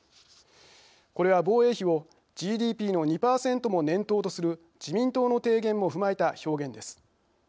これは防衛費をＧＤＰの２％も念頭とする自民党の提言も踏まえた表現です。